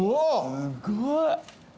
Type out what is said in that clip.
すごい！